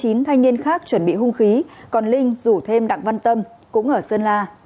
hưởng gọi thêm chín thanh niên khác chuẩn bị hung khí còn linh rủ thêm đặng văn tâm cũng ở sơn la